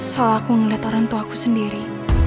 soal aku ngeliat orang tua aku sendiri